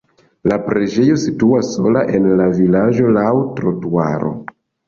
La preĝejo situas sola en la vilaĝo laŭ trotuaro.